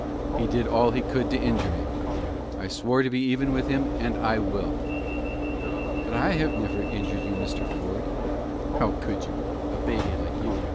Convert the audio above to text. "He did all he could to injure me. I swore to be even with him, and I will!" "But I have never injured you, Mr. Ford." "How could you a baby like you?"